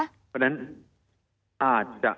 มีความรู้สึกว่ามีความรู้สึกว่า